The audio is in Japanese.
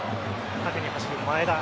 縦に走る前田。